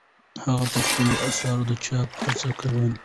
هغې په خپلو اثارو د چاپ هڅه کوله.